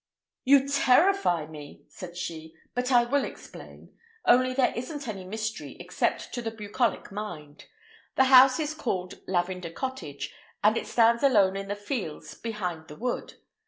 "You terrify me," said she. "But I will explain, only there isn't any mystery except to the bucolic mind. The house is called Lavender Cottage, and it stands alone in the fields behind the wood.